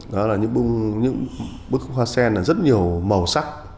đó là những bức hoa sen là rất nhiều màu sắc